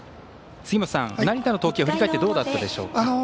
杉本さん、成田の投球振り返ってどうでしたかでしょうか？